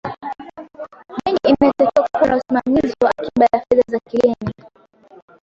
benki inatakiwa kuwa na usimamizi wa akiba ya Fedha za kigeni